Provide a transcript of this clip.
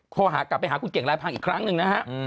โทรหากลับไปหาคุณเก่งลายพังอีกครั้งหนึ่งนะฮะ